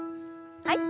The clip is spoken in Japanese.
はい。